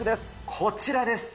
こちらです。